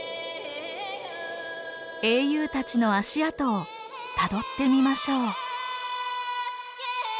英雄たちの足跡をたどってみましょう。